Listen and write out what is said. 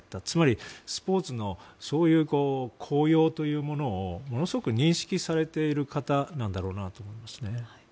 つまり、スポーツの高揚というものをものすごく認識されている方なんだろうなと思いますね。